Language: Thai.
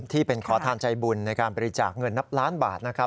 ที่เป็นขอทานใจบุญในการบริจาคเงินนับล้านบาทนะครับ